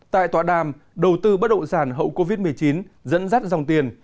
tại tọa đàm đầu tư bất động sản hậu covid một mươi chín dẫn dắt dòng tiền